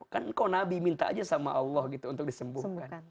kan kau nabi minta aja sama allah gitu untuk disembuhkan